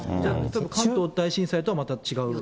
関東大震災とはちょっと違う？